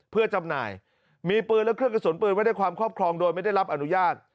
เพื่อจำหน่ายมีปืนและเครื่องกระสุนปืนไว้ในความครอบครองโดยไม่ได้รับอนุญาต